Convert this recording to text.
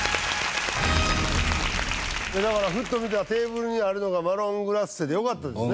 だからふっと見たテーブルにあるのがマロングラッセでよかったですね。